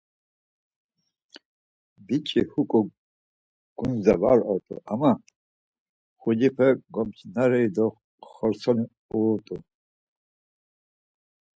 Biç̌i hiǩu gundze var ort̆u ama mxucepe gomçiraneri do xortzoni uğurt̆u.